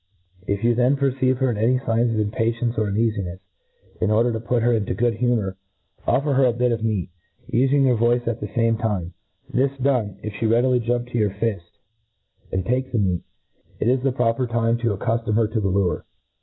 If you then perceive in her any figns of impatience or uneafi* jicfs, in order to put her into good huniour, ofier he? MODERN FAULCONRY. i% her a bit of meat, ufing your voice at the fame time. * This done, if flie readily jump to your fift and take the meat; it is the proper time to accuftom her to the lure. .